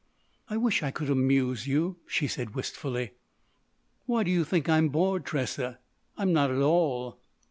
"I wish I could amuse you," she said wistfully. "Why do you think I'm bored, Tressa? I'm not at all."